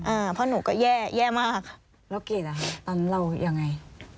อ่าเพราะหนูก็แย่แย่มากแล้วเกดอ่ะตอนเรายังไง